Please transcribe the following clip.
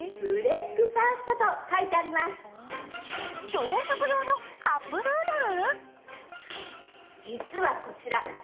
朝食用のカップヌードル？